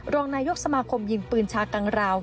รองนายกสมาคมยิงปืนชากังราว